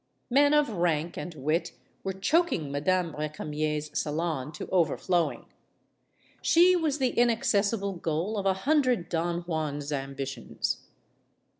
Men of rank and wit were choking Madame Re camier's salon to overflowing. She was the inacces sible goal of a hundred Don Juans' ambitions.